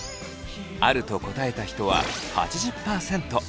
「ある」と答えた人は８０％。